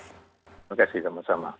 terima kasih sama sama